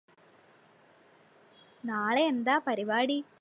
നാളെ എന്താ പരിപാടി